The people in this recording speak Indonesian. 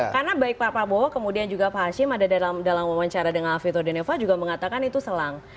karena baik pak prabowo kemudian juga pak hashim ada dalam wawancara dengan alvito deneva juga mengatakan itu selang